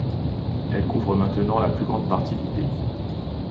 Elle couvre maintenant la plus grande partie du pays.